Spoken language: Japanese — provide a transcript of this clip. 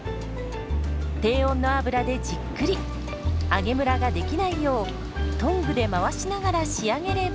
低温の油でじっくり揚げむらができないようトングで回しながら仕上げれば。